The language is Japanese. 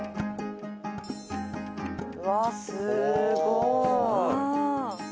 うわっすごい！